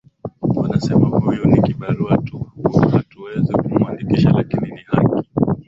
wanasema huyu ni kibarua tu hatuwezi kumwandikisha lakini ni haki